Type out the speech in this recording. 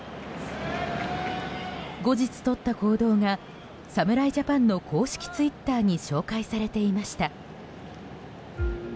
後日とった行動が侍ジャパンの公式ツイッターに紹介されていました。